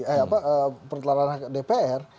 eh apa rantelan ranah dpr